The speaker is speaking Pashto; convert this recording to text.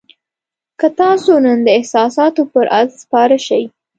که تاسو نن د احساساتو پر آس سپاره شئ.